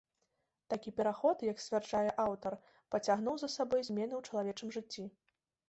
Такі пераход, як сцвярджае аўтар, пацягнуў за сабой змены ў чалавечым жыцці.